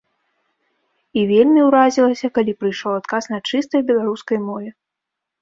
І вельмі ўразілася, калі прыйшоў адказ на чыстай беларускай мове.